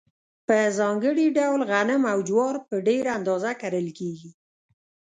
په ځانګړي ډول غنم او جوار په ډېره اندازه کرل کیږي.